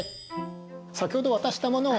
先ほど渡したものを。